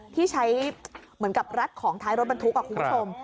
ที่ใช้เหมือนกับรัดของท้ายรถบรรทุกคุณผู้ชม